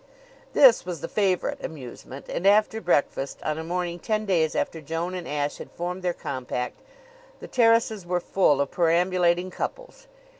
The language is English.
This was the favorite amusement; and after breakfast, on a morning ten days after Joan and Ashe had formed their compact, the terraces were full of perambulating couples.